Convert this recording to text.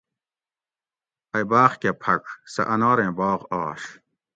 ائ باۤغ کہ پھڄ سہ اناریں باغ آش